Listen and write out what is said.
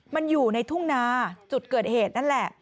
มันอยู่ในทุ่งนาจุดเกิดเหตุนั่นแหละ